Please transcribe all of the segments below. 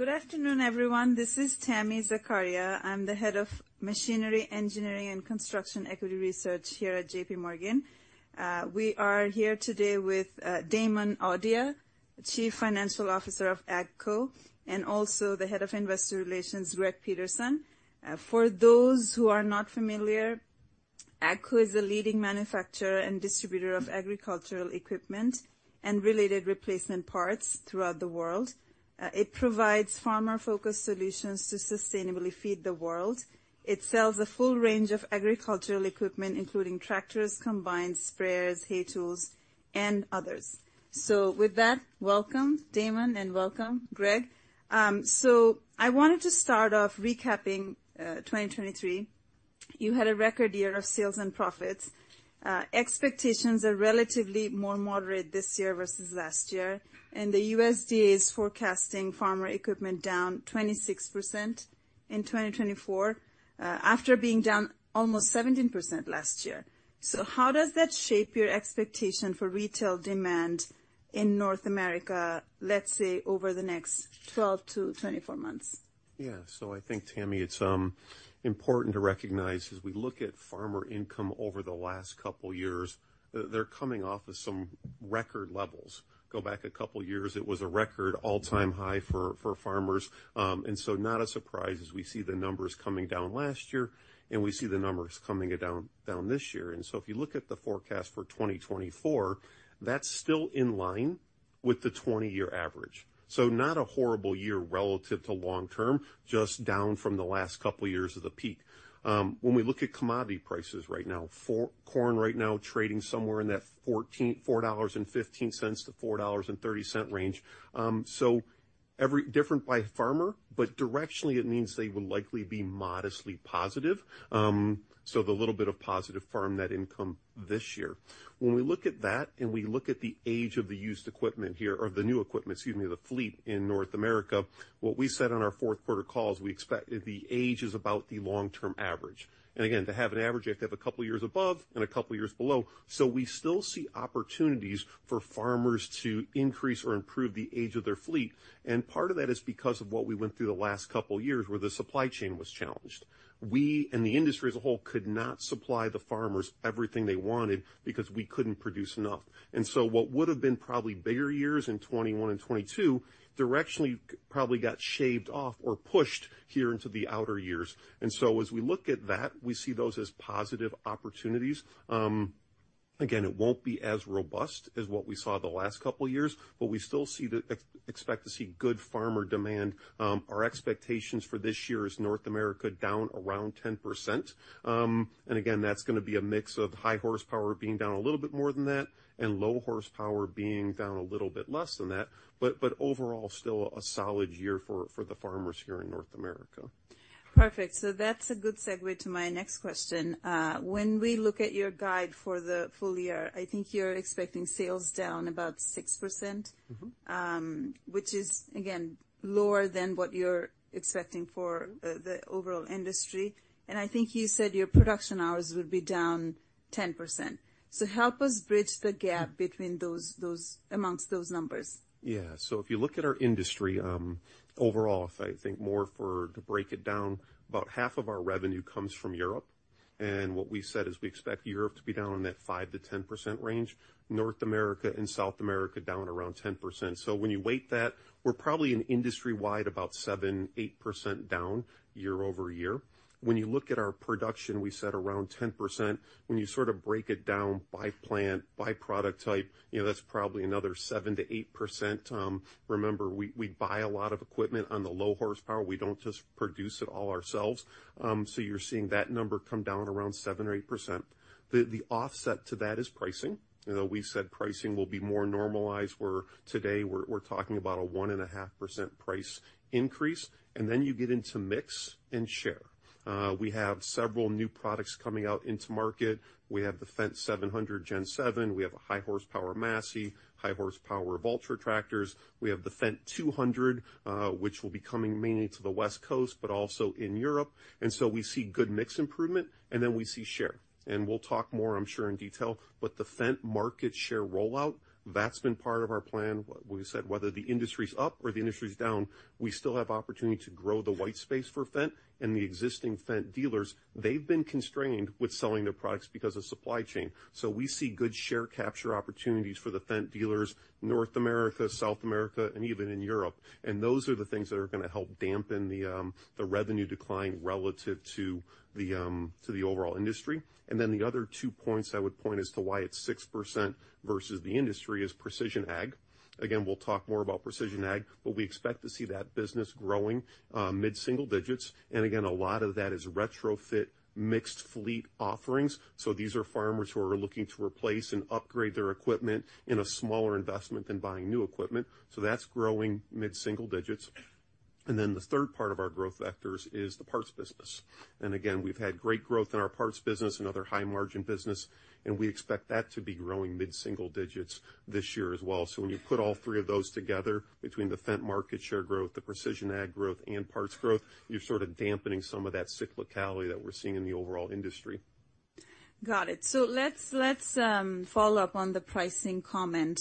Good afternoon, everyone. This is Tami Zakaria. I'm the Head of Machinery, Engineering, and Construction Equity Research here at JPMorgan. We are here today with Damon Audia, Chief Financial Officer of AGCO, and also the Head of Investor Relations, Greg Peterson. For those who are not familiar, AGCO is the leading manufacturer and distributor of agricultural equipment and related replacement parts throughout the world. It provides farmer-focused solutions to sustainably feed the world. It sells a full range of agricultural equipment, including tractors, combines, sprayers, hay tools, and others. So with that, welcome, Damon, and welcome, Greg. So I wanted to start off recapping 2023. You had a record year of sales and profits, Expectations are relatively more moderate this year versus last year, and the USDA is forecasting farmer equipment down 26% in 2024, after being down almost 17% last year. So how does that shape your expectation for retail demand in North America, let's say, over the next 12-24 months? Yeah. So I think, Tami, it's important to recognize, as we look at farmer income over the last couple of years, they're coming off of some record levels. Go back a couple of years, it was a record all-time high for farmers. And so not a surprise as we see the numbers coming down last year, and we see the numbers coming down this year. And so if you look at the forecast for 2024, that's still in line with the 20-year average. So not a horrible year relative to long term, just down from the last couple of years of the peak. When we look at commodity prices right now, for corn right now trading somewhere in that $4.14-$4.30 range. So every... Different by farmer, but directionally, it means they will likely be modestly positive, so the little bit of positive farm net income this year. When we look at that, and we look at the age of the used equipment here, or the new equipment, excuse me, the fleet in North America, what we said on our fourth quarter call is we expect the age is about the long-term average. And again, to have an average, you have to have a couple of years above and a couple of years below. So we still see opportunities for farmers to increase or improve the age of their fleet, and part of that is because of what we went through the last couple of years, where the supply chain was challenged. We, and the industry as a whole, could not supply the farmers everything they wanted because we couldn't produce enough. And so what would have been probably bigger years in 2021 and 2022, directionally, probably got shaved off or pushed here into the outer years. And so as we look at that, we see those as positive opportunities. Again, it won't be as robust as what we saw the last couple of years, but we still see expect to see good farmer demand. Our expectations for this year is North America down around 10%. And again, that's going to be a mix of high horsepower being down a little bit more than that and low horsepower being down a little bit less than that, but overall, still a solid year for the farmers here in North America. Perfect. So that's a good segue to my next question. When we look at your guide for the full year, I think you're expecting sales down about 6%? Mm-hmm. Which is, again, lower than what you're expecting for the overall industry. And I think you said your production hours would be down 10%. So help us bridge the gap between those amongst those numbers. Yeah. So if you look at our industry, overall, if I think more for, to break it down, about half of our revenue comes from Europe, and what we said is we expect Europe to be down in that 5%-10% range, North America and South America, down around 10%. So when you weight that, we're probably industry-wide about 7%-8% down year-over-year. When you look at our production, we said around 10%. When you sort of break it down by plant, by product type, you know, that's probably another 7%-8%. Remember, we, we buy a lot of equipment on the low horsepower. We don't just produce it all ourselves. So you're seeing that number come down around 7% or 8%. The, the offset to that is pricing. You know, we said pricing will be more normalized, where today we're talking about a 1.5% price increase, and then you get into mix and share. We have several new products coming out into market. We have the Fendt 700 Gen7, we have a high horsepower Massey, high horsepower Valtra tractors. We have the Fendt 200, which will be coming mainly to the West Coast but also in Europe. And so we see good mix improvement, and then we see share. And we'll talk more, I'm sure, in detail, but the Fendt market share rollout, that's been part of our plan. We said whether the industry's up or the industry's down, we still have opportunity to grow the white space for Fendt. And the existing Fendt dealers, they've been constrained with selling their products because of supply chain. So we see good share capture opportunities for the Fendt dealers, North America, South America, and even in Europe. And those are the things that are going to help dampen the revenue decline relative to the overall industry. And then the other two points I would point as to why it's 6% versus the industry is Precision Ag. Again, we'll talk more about Precision Ag, but we expect to see that business growing mid-single digits. And again, a lot of that is retrofit, mixed fleet offerings. So these are farmers who are looking to replace and upgrade their equipment in a smaller investment than buying new equipment. So that's growing mid-single digits. And then the third part of our growth vectors is the parts business. Again, we've had great growth in our parts business, another high margin business, and we expect that to be growing mid-single digits this year as well. When you put all three of those together, between the Fendt market share growth, the precision ag growth, and parts growth, you're sort of dampening some of that cyclicality that we're seeing in the overall industry.... Got it. So let's follow up on the pricing comment.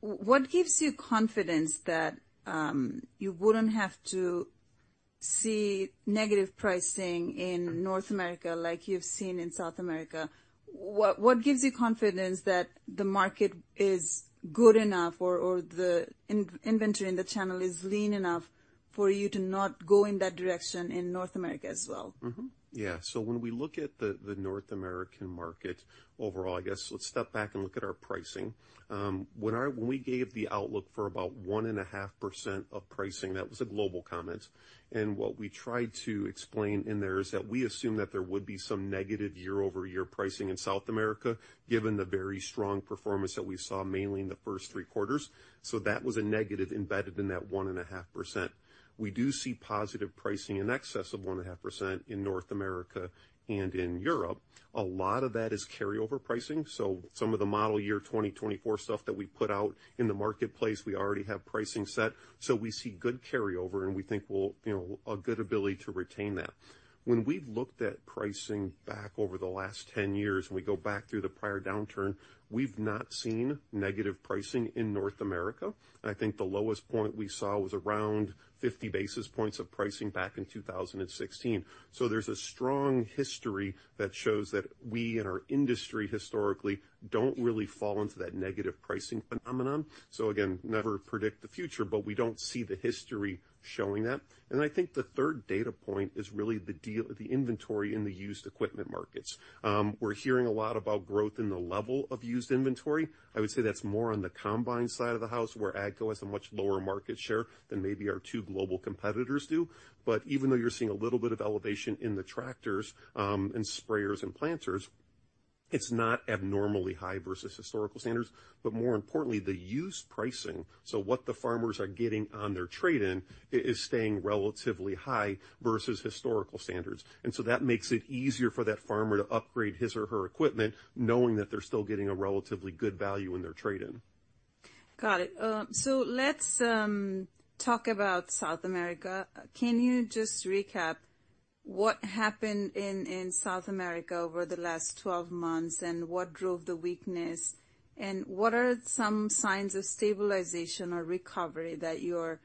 What gives you confidence that you wouldn't have to see negative pricing in North America like you've seen in South America? What gives you confidence that the market is good enough, or the inventory in the channel is lean enough for you to not go in that direction in North America as well? Mm-hmm. Yeah. So when we look at the North American market overall, I guess let's step back and look at our pricing. When we gave the outlook for about 1.5% of pricing, that was a global comment. And what we tried to explain in there is that we assumed that there would be some negative year-over-year pricing in South America, given the very strong performance that we saw, mainly in the first three quarters. So that was a negative embedded in that 1.5%. We do see positive pricing in excess of 1.5% in North America and in Europe. A lot of that is carryover pricing, so some of the model year 2024 stuff that we put out in the marketplace, we already have pricing set. So we see good carryover, and we think we'll, you know, a good ability to retain that. When we've looked at pricing back over the last 10 years, and we go back through the prior downturn, we've not seen negative pricing in North America. I think the lowest point we saw was around 50 basis points of pricing back in 2016. So there's a strong history that shows that we and our industry historically don't really fall into that negative pricing phenomenon. So again, never predict the future, but we don't see the history showing that. And I think the third data point is really the deal, the inventory in the used equipment markets. We're hearing a lot about growth in the level of used inventory. I would say that's more on the combine side of the house, where AGCO has a much lower market share than maybe our two global competitors do. But even though you're seeing a little bit of elevation in the tractors, and sprayers and planters, it's not abnormally high versus historical standards. But more importantly, the used pricing, so what the farmers are getting on their trade-in is staying relatively high versus historical standards. And so that makes it easier for that farmer to upgrade his or her equipment, knowing that they're still getting a relatively good value in their trade-in. Got it. So let's talk about South America. Can you just recap what happened in South America over the last 12 months, and what drove the weakness? And what are some signs of stabilization or recovery that you're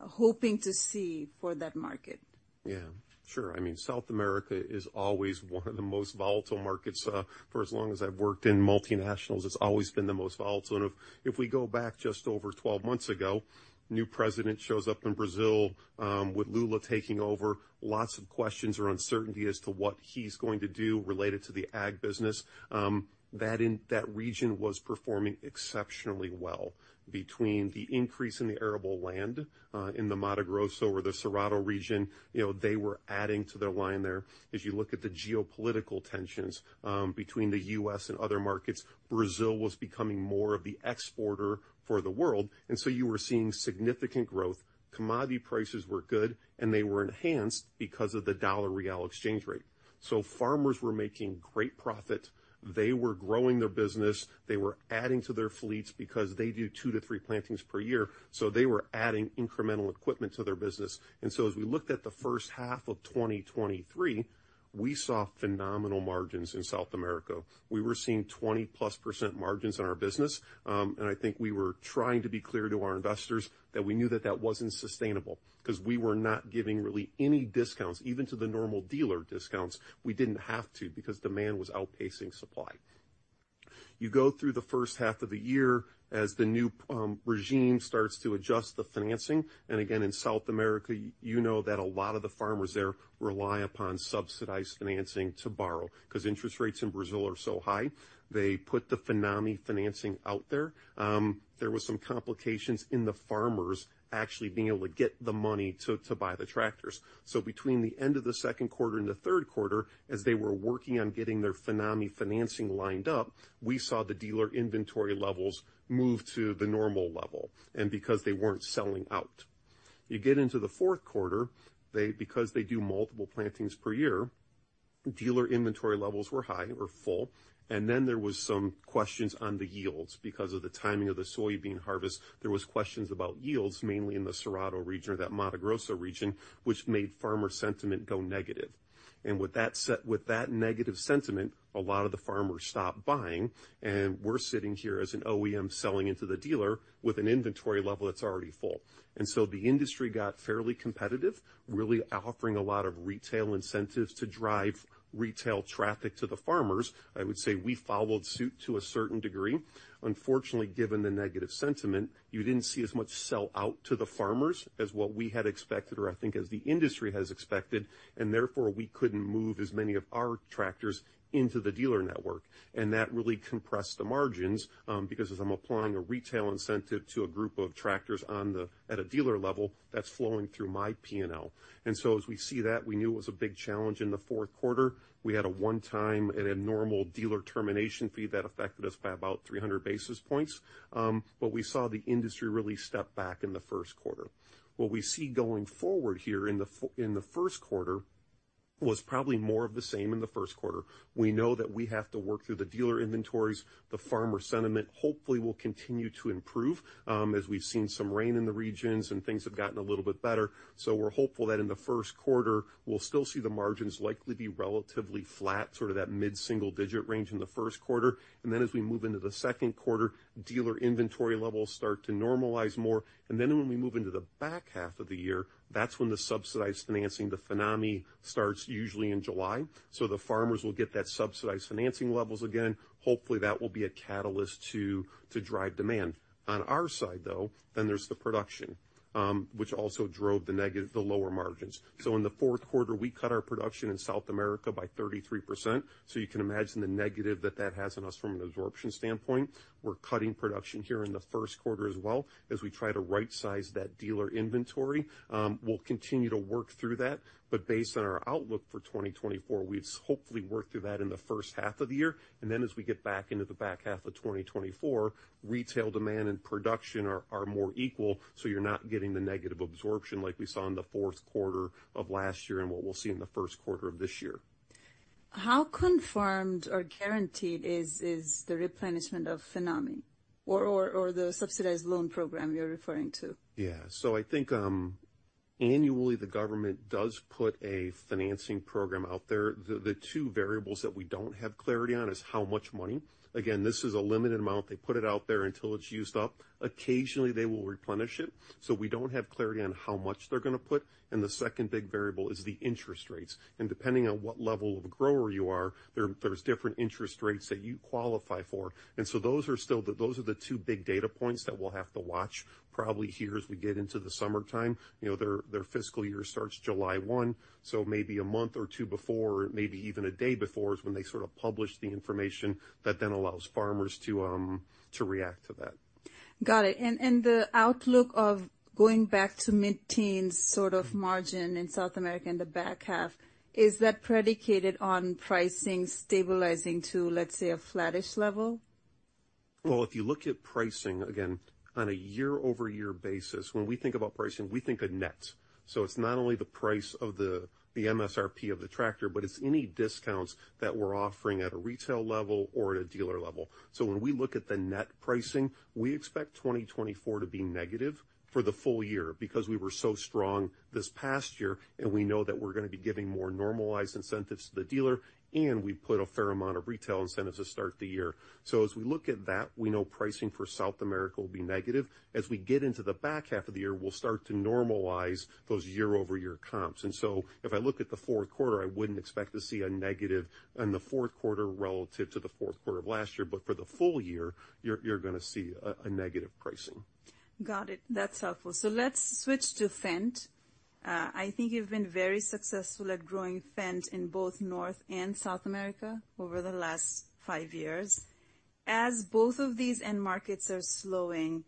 hoping to see for that market? Yeah, sure. I mean, South America is always one of the most volatile markets. For as long as I've worked in multinationals, it's always been the most volatile. And if we go back just over 12 months ago, new president shows up in Brazil with Lula taking over. Lots of questions or uncertainty as to what he's going to do related to the ag business. That region was performing exceptionally well between the increase in the arable land in the Mato Grosso or the Cerrado region. You know, they were adding to their line there. As you look at the geopolitical tensions between the U.S. and other markets, Brazil was becoming more of the exporter for the world, and so you were seeing significant growth. Commodity prices were good, and they were enhanced because of the dollar-real exchange rate. Farmers were making great profit. They were growing their business. They were adding to their fleets because they do 2-3 plantings per year, so they were adding incremental equipment to their business. And so as we looked at the first half of 2023, we saw phenomenal margins in South America. We were seeing 20+% margins in our business. And I think we were trying to be clear to our investors that we knew that that wasn't sustainable because we were not giving really any discounts, even to the normal dealer discounts. We didn't have to, because demand was outpacing supply. You go through the first half of the year as the new regime starts to adjust the financing, and again, in South America, you know that a lot of the farmers there rely upon subsidized financing to borrow, 'cause interest rates in Brazil are so high. They put the FINAME financing out there. There was some complications in the farmers actually being able to get the money to buy the tractors. So between the end of the second quarter and the third quarter, as they were working on getting their FINAME financing lined up, we saw the dealer inventory levels move to the normal level, and because they weren't selling out. You get into the fourth quarter, they, because they do multiple plantings per year, dealer inventory levels were high or full, and then there was some questions on the yields. Because of the timing of the soybean harvest, there was questions about yields, mainly in the Cerrado region or that Mato Grosso region, which made farmer sentiment go negative. And with that negative sentiment, a lot of the farmers stopped buying, and we're sitting here as an OEM, selling into the dealer with an inventory level that's already full. And so the industry got fairly competitive, really offering a lot of retail incentives to drive retail traffic to the farmers. I would say we followed suit to a certain degree. Unfortunately, given the negative sentiment, you didn't see as much sell out to the farmers as what we had expected or I think as the industry has expected, and therefore, we couldn't move as many of our tractors into the dealer network. That really compressed the margins, because as I'm applying a retail incentive to a group of tractors at a dealer level, that's flowing through my P&L. So as we see that, we knew it was a big challenge in the fourth quarter. We had a one-time and a normal dealer termination fee that affected us by about 300 basis points. But we saw the industry really step back in the first quarter. What we see going forward here in the first quarter was probably more of the same in the first quarter. We know that we have to work through the dealer inventories. The farmer sentiment, hopefully, will continue to improve, as we've seen some rain in the regions and things have gotten a little bit better. So we're hopeful that in the first quarter, we'll still see the margins likely be relatively flat, sort of that mid-single-digit range in the first quarter. And then as we move into the second quarter, dealer inventory levels start to normalize more. And then when we move into the back half of the year, that's when the subsidized financing, the FINAME, starts, usually in July. So the farmers will get that subsidized financing levels again. Hopefully, that will be a catalyst to drive demand. On our side, though, then there's the production, which also drove the negative, the lower margins. So in the fourth quarter, we cut our production in South America by 33%. So you can imagine the negative that that has on us from an absorption standpoint. We're cutting production here in the first quarter as well, as we try to rightsize that dealer inventory. We'll continue to work through that, but based on our outlook for 2024, we hopefully work through that in the first half of the year. And then as we get back into the back half of 2024, retail demand and production are, are more equal, so you're not getting the negative absorption like we saw in the fourth quarter of last year and what we'll see in the first quarter of this year. How confirmed or guaranteed is the replenishment of FINAME or the subsidized loan program you're referring to? Yeah. So I think, annually, the government does put a financing program out there. The two variables that we don't have clarity on is how much money. Again, this is a limited amount. They put it out there until it's used up. Occasionally, they will replenish it, so we don't have clarity on how much they're gonna put. And the second big variable is the interest rates, and depending on what level of grower you are, there's different interest rates that you qualify for. And so those are still those are the two big data points that we'll have to watch, probably here as we get into the summertime. You know, their fiscal year starts July 1, so maybe a month or two before, maybe even a day before, is when they sort of publish the information that then allows farmers to react to that. Got it. And the outlook of going back to mid-teens sort of margin in South America in the back half, is that predicated on pricing stabilizing to, let's say, a flattish level? Well, if you look at pricing again on a year-over-year basis, when we think about pricing, we think of net. So it's not only the price of the MSRP of the tractor, but it's any discounts that we're offering at a retail level or at a dealer level. So when we look at the net pricing, we expect 2024 to be negative for the full year because we were so strong this past year, and we know that we're gonna be giving more normalized incentives to the dealer, and we put a fair amount of retail incentives to start the year. So as we look at that, we know pricing for South America will be negative. As we get into the back half of the year, we'll start to normalize those year-over-year comps. If I look at the fourth quarter, I wouldn't expect to see a negative in the fourth quarter relative to the fourth quarter of last year. But for the full year, you're gonna see a negative pricing. Got it. That's helpful. So let's switch to Fendt. I think you've been very successful at growing Fendt in both North and South America over the last five years. As both of these end markets are slowing,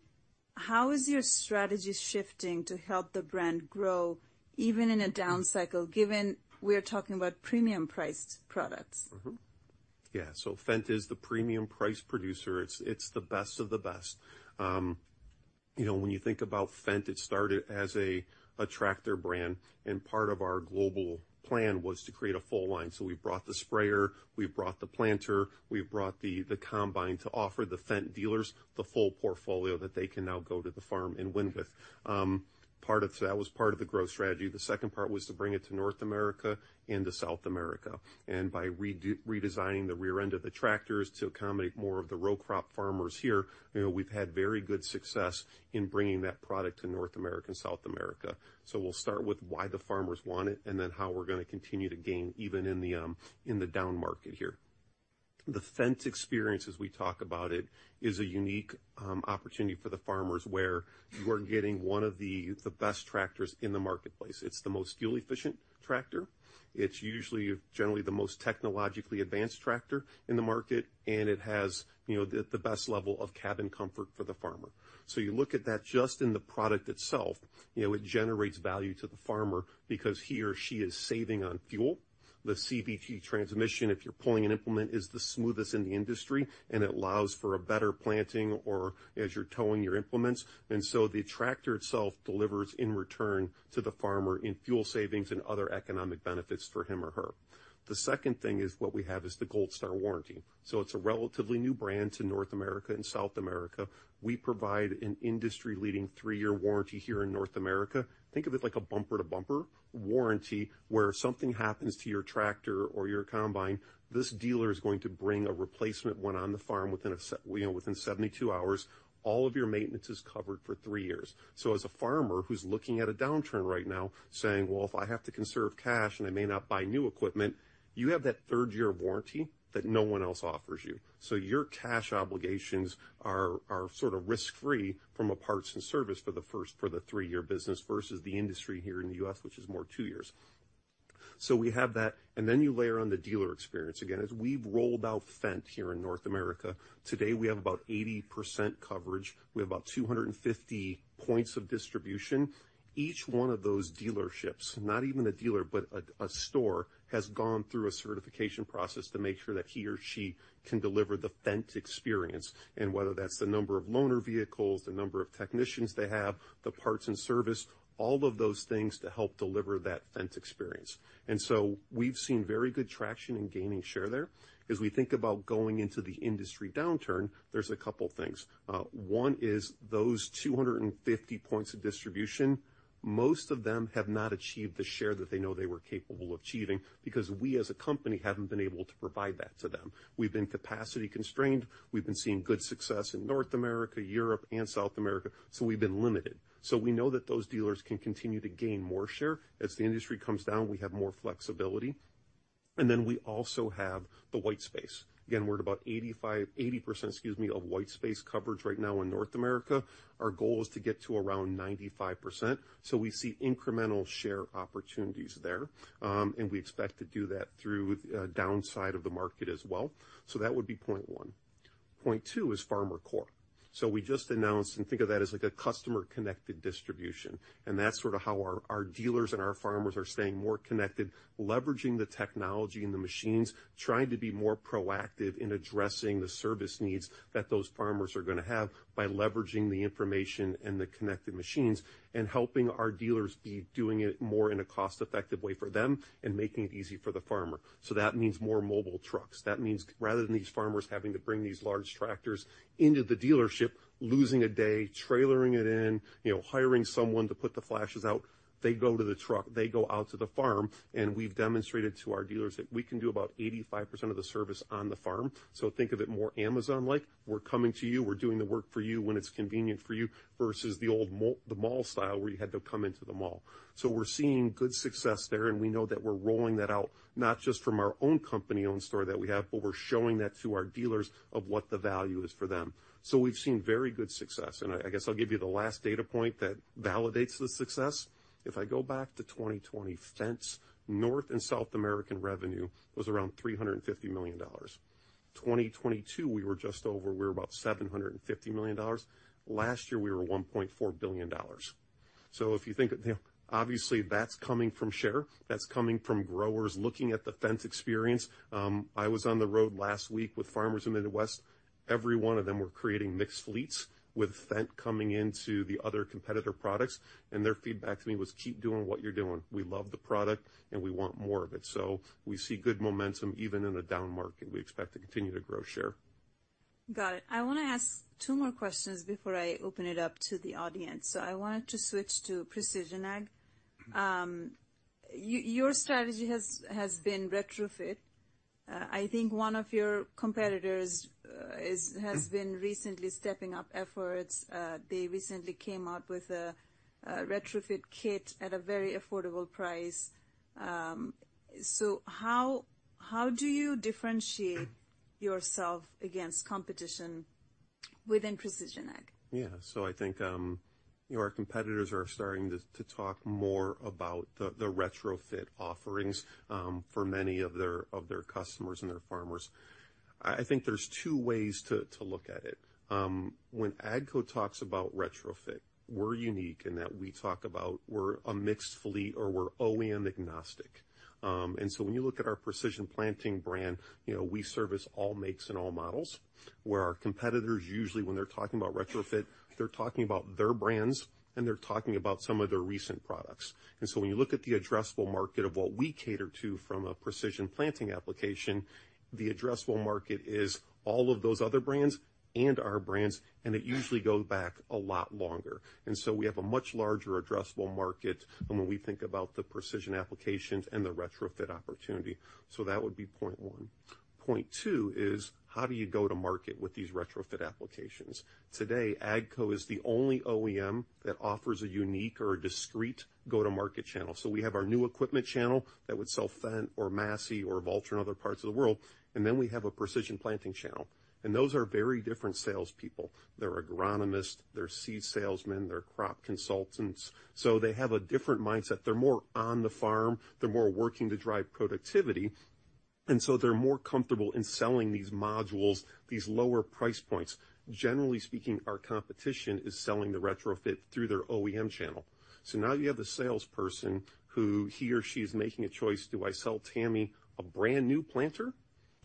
how is your strategy shifting to help the brand grow, even in a down cycle, given we are talking about premium-priced products? Mm-hmm. Yeah. So Fendt is the premium price producer. It's, it's the best of the best. You know, when you think about Fendt, it started as a tractor brand, and part of our global plan was to create a full line. So we brought the sprayer, we brought the planter, we brought the combine to offer the Fendt dealers the full portfolio that they can now go to the farm and win with. Part of that was part of the growth strategy. The second part was to bring it to North America and to South America, and by redesigning the rear end of the tractors to accommodate more of the row crop farmers here, you know, we've had very good success in bringing that product to North America and South America. So we'll start with why the farmers want it, and then how we're gonna continue to gain, even in the down market here. The Fendt experience, as we talk about it, is a unique opportunity for the farmers, where you are getting one of the best tractors in the marketplace. It's the most fuel-efficient tractor. It's usually, generally, the most technologically advanced tractor in the market, and it has, you know, the best level of cabin comfort for the farmer. So you look at that just in the product itself, you know, it generates value to the farmer because he or she is saving on fuel. The CVT transmission, if you're pulling an implement, is the smoothest in the industry, and it allows for a better planting or as you're towing your implements. The tractor itself delivers in return to the farmer in fuel savings and other economic benefits for him or her. The second thing is, what we have is the Gold Star warranty. So it's a relatively new brand to North America and South America. We provide an industry-leading three-year warranty here in North America. Think of it like a bumper-to-bumper warranty, where if something happens to your tractor or your combine, this dealer is going to bring a replacement one on the farm within you know, within 72 hours. All of your maintenance is covered for three years. So as a farmer who's looking at a downturn right now, saying, "Well, if I have to conserve cash and I may not buy new equipment," you have that third year of warranty that no one else offers you. So your cash obligations are sort of risk-free from a parts and service for the first, for the three-year business versus the industry here in the U.S., which is more two years. So we have that, and then you layer on the dealer experience. Again, as we've rolled out Fendt here in North America, today, we have about 80% coverage. We have about 250 points of distribution. Each one of those dealerships, not even a dealer, but a store, has gone through a certification process to make sure that he or she can deliver the Fendt experience, and whether that's the number of loaner vehicles, the number of technicians they have, the parts and service, all of those things to help deliver that Fendt experience. And so we've seen very good traction in gaining share there. As we think about going into the industry downturn, there's a couple things. One is those 250 points of distribution, most of them have not achieved the share that they know they were capable of achieving because we, as a company, haven't been able to provide that to them. We've been capacity constrained. We've been seeing good success in North America, Europe, and South America, so we've been limited. So we know that those dealers can continue to gain more share. As the industry comes down, we have more flexibility, and then we also have the white space. Again, we're at about 85-80%, excuse me, of white space coverage right now in North America. Our goal is to get to around 95%, so we see incremental share opportunities there. and we expect to do that through, downside of the market as well. So that would be point one. Point two is FarmerCore. So we just announced, and think of that as like a customer-connected distribution, and that's sort of how our, our dealers and our farmers are staying more connected, leveraging the technology and the machines, trying to be more proactive in addressing the service needs that those farmers are gonna have by leveraging the information and the connected machines, and helping our dealers be doing it more in a cost-effective way for them and making it easy for the farmer. So that means more mobile trucks. That means rather than these farmers having to bring these large tractors into the dealership, losing a day, trailering it in, you know, hiring someone to put the flashes out, they go to the truck, they go out to the farm, and we've demonstrated to our dealers that we can do about 85% of the service on the farm. So think of it more Amazon-like. We're coming to you, we're doing the work for you when it's convenient for you, versus the old mall style, where you had to come into the mall. So we're seeing good success there, and we know that we're rolling that out, not just from our own company-owned store that we have, but we're showing that to our dealers of what the value is for them. So we've seen very good success, and I, I guess I'll give you the last data point that validates the success. If I go back to 2020, Fendt's North and South American revenue was around $350 million. 2022, we were just over... We were about $750 million. Last year, we were $1.4 billion. So if you think of the, obviously, that's coming from share, that's coming from growers looking at the Fendt experience. I was on the road last week with farmers in the Midwest. Every one of them were creating mixed fleets, with Fendt coming into the other competitor products, and their feedback to me was, "Keep doing what you're doing. We love the product, and we want more of it." So we see good momentum, even in a down market. We expect to continue to grow share. Got it. I wanna ask two more questions before I open it up to the audience. So I wanted to switch to Precision Ag. Your strategy has been retrofit. I think one of your competitors is- Mm-hmm. has been recently stepping up efforts. They recently came out with a retrofit kit at a very affordable price. So how do you differentiate- Mm... yourself against competition within Precision Ag? Yeah. So I think, our competitors are starting to talk more about the retrofit offerings for many of their customers and their farmers. I think there's two ways to look at it. When AGCO talks about retrofit, we're unique in that we talk about we're a mixed fleet, or we're OEM-agnostic. And so when you look at our precision planting brand, you know, we service all makes and all models. Where our competitors, usually, when they're talking about retrofit, they're talking about their brands, and they're talking about some of their recent products. And so when you look at the addressable market of what we cater to from a precision planting application, the addressable market is all of those other brands and our brands, and it usually goes back a lot longer. And so we have a much larger addressable market and when we think about the precision applications and the retrofit opportunity. So that would be point one. Point two is: How do you go to market with these retrofit applications? Today, AGCO is the only OEM that offers a unique or a discrete go-to-market channel. So we have our new equipment channel that would sell Fendt or Massey or Valtra in other parts of the world, and then we have a precision planting channel. And those are very different salespeople. They're agronomists, they're seed salesmen, they're crop consultants, so they have a different mindset. They're more on the farm. They're more working to drive productivity, and so they're more comfortable in selling these modules, these lower price points. Generally speaking, our competition is selling the retrofit through their OEM channel. So now you have the salesperson who he or she is making a choice: Do I sell Tami a brand-new planter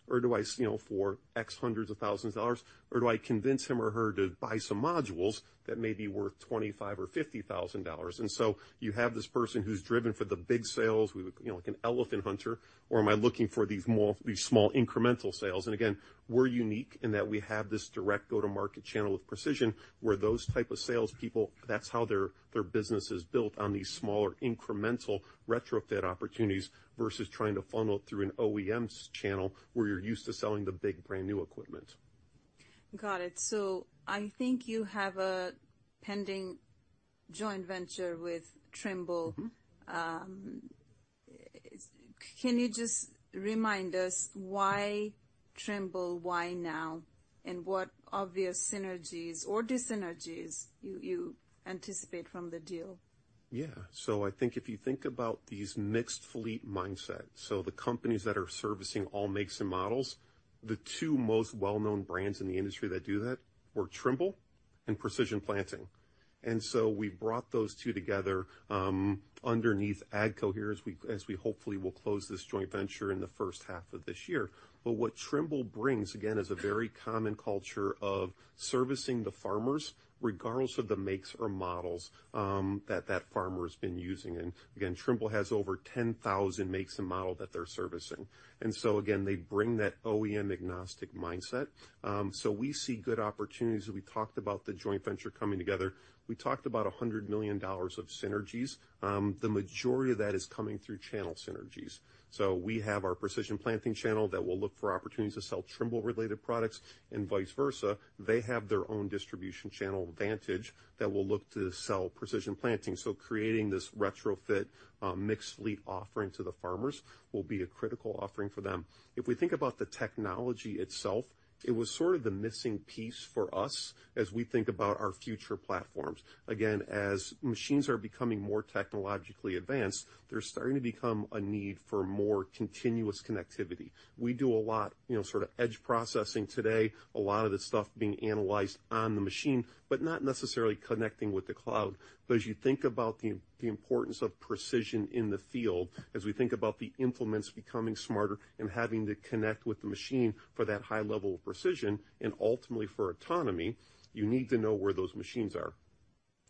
or do I, you know, for X hundreds of thousands of dollars, or do I convince him or her to buy some modules that may be worth $25,000 or $50,000? And so you have this person who's driven for the big sales, with, you know, like an elephant hunter, or am I looking for these small, these small incremental sales? And again, we're unique in that we have this direct go-to-market channel with precision, where those type of salespeople, that's how their, their business is built on these smaller, incremental retrofit opportunities versus trying to funnel it through an OEM's channel, where you're used to selling the big brand-new equipment. Got it. I think you have a pending joint venture with Trimble. Mm-hmm. Can you just remind us why Trimble, why now? And what obvious synergies or dis-synergies you anticipate from the deal? Yeah. So I think if you think about these mixed fleet mindset, so the companies that are servicing all makes and models, the two most well-known brands in the industry that do that were Trimble and Precision Planting. And so we brought those two together, underneath AGCO here, as we hopefully will close this joint venture in the first half of this year. But what Trimble brings, again, is a very common culture of servicing the farmers regardless of the makes or models, that that farmer has been using. And again, Trimble has over 10,000 makes and models that they're servicing. And so again, they bring that OEM agnostic mindset. So we see good opportunities. We talked about the joint venture coming together. We talked about $100 million of synergies. The majority of that is coming through channel synergies. So we have our Precision Planting channel that will look for opportunities to sell Trimble-related products and vice versa. They have their own distribution channel advantage that will look to sell Precision Planting. So creating this retrofit, mixed fleet offering to the farmers will be a critical offering for them. If we think about the technology itself, it was sort of the missing piece for us as we think about our future platforms. Again, as machines are becoming more technologically advanced, they're starting to become a need for more continuous connectivity. We do a lot, you know, sort of edge processing today, a lot of the stuff being analyzed on the machine, but not necessarily connecting with the cloud. But as you think about the importance of precision in the field, as we think about the implements becoming smarter and having to connect with the machine for that high level of precision and ultimately for autonomy, you need to know where those machines are.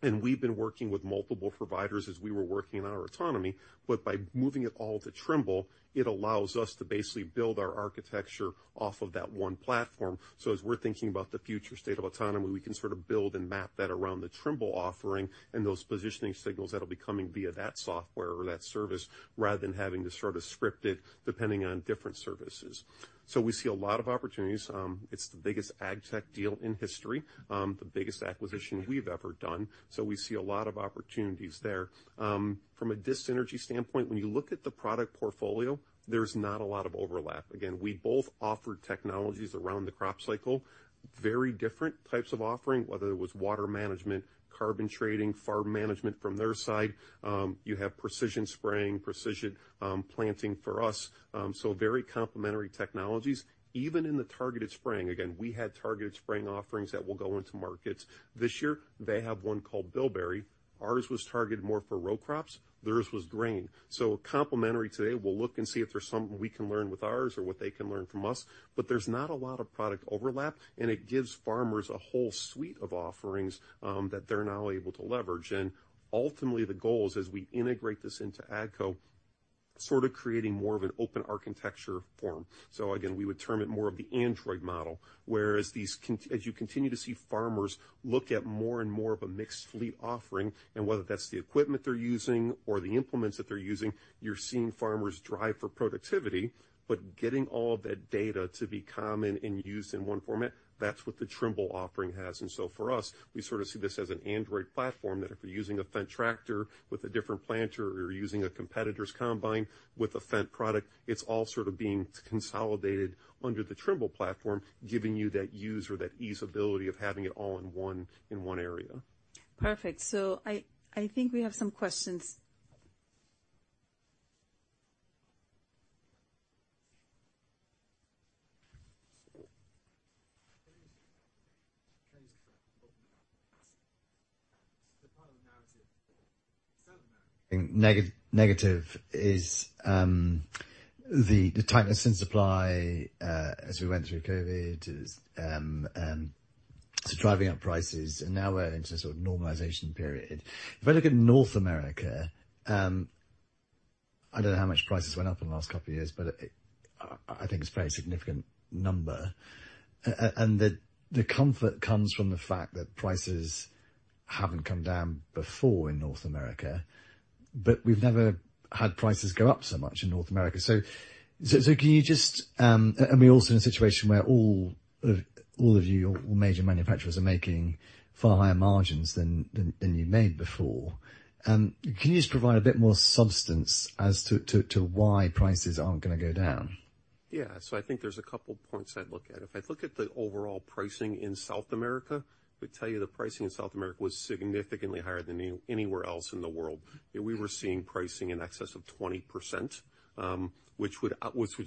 And we've been working with multiple providers as we were working on our autonomy, but by moving it all to Trimble, it allows us to basically build our architecture off of that one platform. So as we're thinking about the future state of autonomy, we can sort of build and map that around the Trimble offering and those positioning signals that'll be coming via that software or that service, rather than having to sort of script it depending on different services. So we see a lot of opportunities. It's the biggest ag tech deal in history, the biggest acquisition we've ever done, so we see a lot of opportunities there. From a dis-synergy standpoint, when you look at the product portfolio, there's not a lot of overlap. Again, we both offer technologies around the crop cycle, very different types of offering, whether it was water management, carbon trading, farm management from their side, you have precision spraying, precision, planting for us. So very complementary technologies. Even in the targeted spraying, again, we had targeted spraying offerings that will go into markets this year. They have one called Bilberry. Ours was targeted more for row crops, theirs was grain. So complementary today, we'll look and see if there's something we can learn with ours or what they can learn from us, but there's not a lot of product overlap, and it gives farmers a whole suite of offerings that they're now able to leverage. And ultimately, the goal is as we integrate this into AGCO, sort of creating more of an open architecture form. So again, we would term it more of the Android model, whereas these as you continue to see farmers look at more and more of a mixed fleet offering, and whether that's the equipment they're using or the implements that they're using, you're seeing farmers drive for productivity, but getting all of that data to be common and used in one format, that's what the Trimble offering has. And so for us, we sort of see this as an Android platform, that if you're using a Fendt tractor with a different planter, or you're using a competitor's combine with a Fendt product, it's all sort of being consolidated under the Trimble platform, giving you that usability of having it all in one, in one area. Perfect. So I think we have some questions. ... Negative, negative is the tightness in supply as we went through COVID, so driving up prices, and now we're into a sort of normalization period. If I look at North America, I don't know how much prices went up in the last couple of years, but it, I think it's a very significant number. And the comfort comes from the fact that prices haven't come down before in North America, but we've never had prices go up so much in North America. So can you just... And we're also in a situation where all of you, all major manufacturers are making far higher margins than you made before. Can you just provide a bit more substance as to why prices aren't gonna go down? Yeah. So I think there's a couple points I'd look at. If I look at the overall pricing in South America, I would tell you the pricing in South America was significantly higher than anywhere else in the world. We were seeing pricing in excess of 20%, which was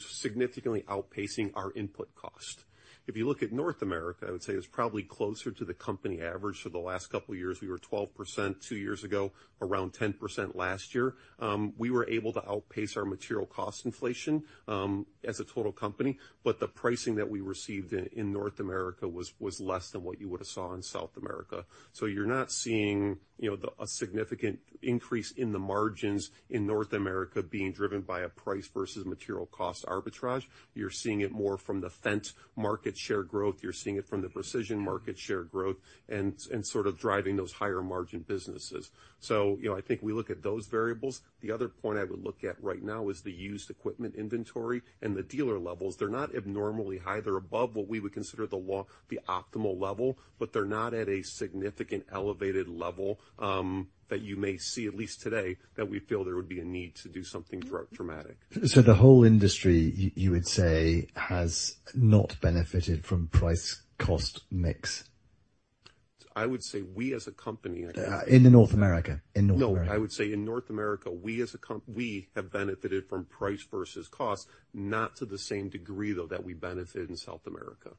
significantly outpacing our input cost. If you look at North America, I would say it's probably closer to the company average for the last couple of years. We were 12% two years ago, around 10% last year. We were able to outpace our material cost inflation as a total company, but the pricing that we received in North America was less than what you would have saw in South America. So you're not seeing, you know, the, a significant increase in the margins in North America being driven by a price versus material cost arbitrage. You're seeing it more from the Fendt market share growth, you're seeing it from the precision market share growth and sort of driving those higher margin businesses. So, you know, I think we look at those variables. The other point I would look at right now is the used equipment inventory and the dealer levels. They're not abnormally high. They're above what we would consider the low, the optimal level, but they're not at a significant elevated level, that you may see, at least today, that we feel there would be a need to do something dramatic. The whole industry, you would say, has not benefited from price-cost mix?... I would say we as a company- In the North America, in North America. No, I would say in North America, we as a company have benefited from price versus cost, not to the same degree, though, that we benefit in South America.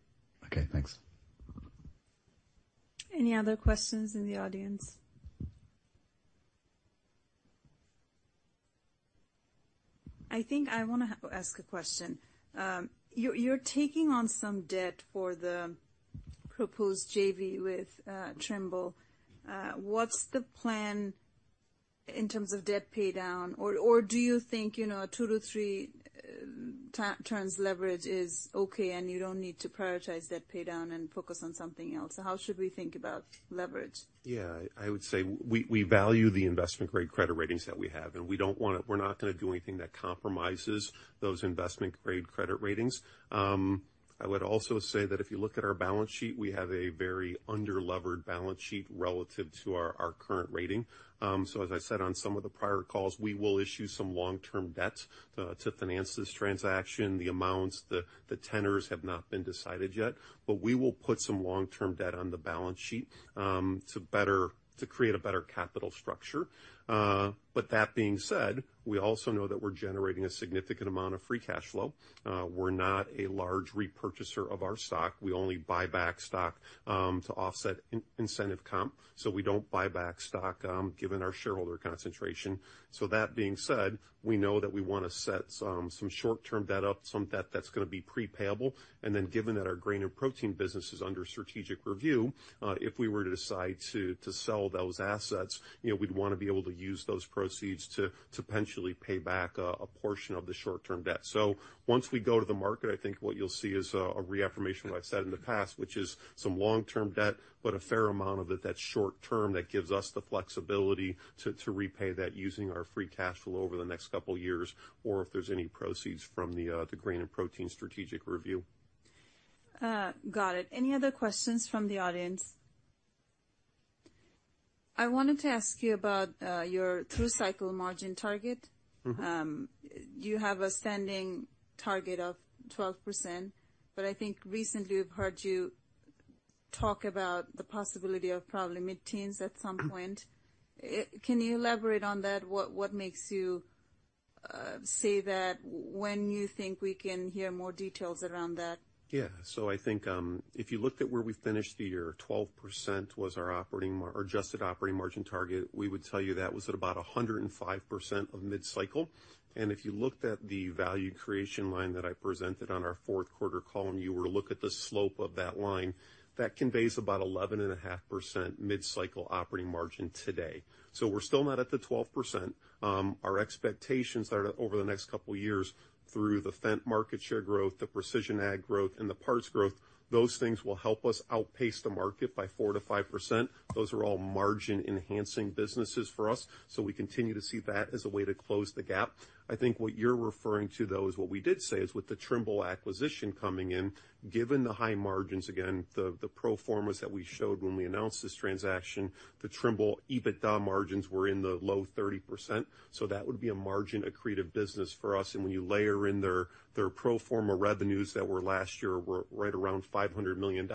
Okay, thanks. Any other questions in the audience? I think I wanna ask a question. You're taking on some debt for the proposed JV with Trimble. What's the plan in terms of debt paydown? Or do you think, you know, 2-3 turns leverage is okay and you don't need to prioritize debt paydown and focus on something else? How should we think about leverage? Yeah, I would say we value the investment-grade credit ratings that we have, and we don't wanna. We're not gonna do anything that compromises those investment-grade credit ratings. I would also say that if you look at our balance sheet, we have a very under-levered balance sheet relative to our current rating. So as I said on some of the prior calls, we will issue some long-term debt to finance this transaction. The amounts, the tenors have not been decided yet, but we will put some long-term debt on the balance sheet to create a better capital structure. But that being said, we also know that we're generating a significant amount of free cash flow. We're not a large repurchaser of our stock. We only buy back stock to offset incentive comp, so we don't buy back stock given our shareholder concentration. So that being said, we know that we wanna set some short-term debt up, some debt that's gonna be pre-payable. And then, given that our Grain and Protein business is under strategic review, if we were to decide to sell those assets, you know, we'd wanna be able to use those proceeds to potentially pay back a portion of the short-term debt. So once we go to the market, I think what you'll see is a reaffirmation of what I've said in the past, which is some long-term debt, but a fair amount of it that's short-term, that gives us the flexibility to repay that using our free cash flow over the next couple of years, or if there's any proceeds from the Grain and Protein strategic review. Got it. Any other questions from the audience? I wanted to ask you about your through-cycle margin target. Mm-hmm. You have a standing target of 12%, but I think recently we've heard you talk about the possibility of probably mid-teens% at some point. Mm-hmm. Can you elaborate on that? What makes you say that? When you think we can hear more details around that? Yeah. So I think, if you looked at where we finished the year, 12% was our operating margin or adjusted operating margin target. We would tell you that was at about 105% of mid-cycle. And if you looked at the value creation line that I presented on our fourth quarter call, and you were to look at the slope of that line, that conveys about 11.5% mid-cycle operating margin today. So we're still not at the 12%. Our expectations are that over the next couple of years, through the Fendt market share growth, the Precision Ag growth, and the parts growth, those things will help us outpace the market by 4%-5%. Those are all margin-enhancing businesses for us, so we continue to see that as a way to close the gap. I think what you're referring to, though, is what we did say is with the Trimble acquisition coming in, given the high margins, again, the pro formas that we showed when we announced this transaction, the Trimble EBITDA margins were in the low 30%, so that would be a margin-accretive business for us. And when you layer in their pro forma revenues that were last year were right around $500 million,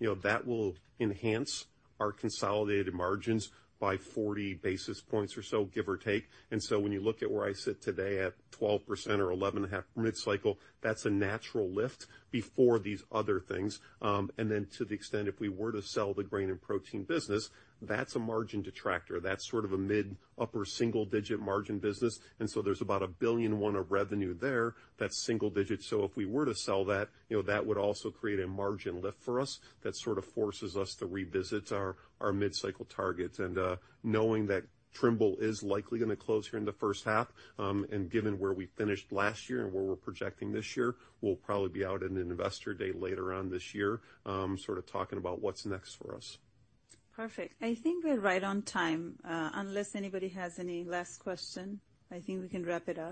you know, that will enhance our consolidated margins by 40 basis points or so, give or take. And so when you look at where I sit today at 12% or 11.5% mid-cycle, that's a natural lift before these other things. And then to the extent, if we were to sell the Grain and Protein business, that's a margin detractor. That's sort of a mid-upper single-digit margin business, and so there's about $1.1 billion of revenue there that's single digits. So if we were to sell that, you know, that would also create a margin lift for us that sort of forces us to revisit our mid-cycle targets. And, knowing that Trimble is likely gonna close here in the first half, and given where we finished last year and where we're projecting this year, we'll probably be out in an investor day later on this year, sort of talking about what's next for us. Perfect. I think we're right on time. Unless anybody has any last question, I think we can wrap it up.